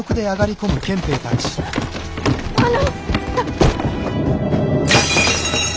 あの。